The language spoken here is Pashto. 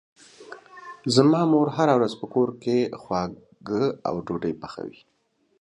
زما مور هره ورځ په کور کې خواږه او ډوډۍ پخوي.